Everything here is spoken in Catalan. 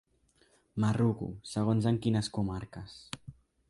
M'arrugo, segons en quines comarques.